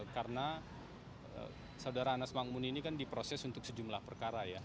karena saudara anas mamun ini kan diproses untuk sejumlah perkara ya